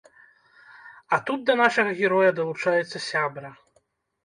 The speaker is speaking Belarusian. А тут да нашага героя далучаецца сябра.